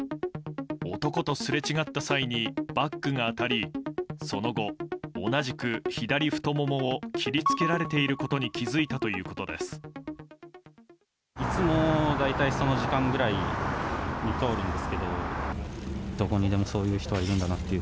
男とすれ違った際にバッグが当たりその後、同じく左太ももを切りつけられていることに気づいたということです。